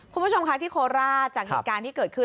คุณผู้ชมค่ะที่โคราชจากเหตุการณ์ที่เกิดขึ้น